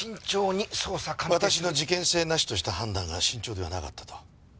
私の事件性なしとした判断が慎重ではなかったと？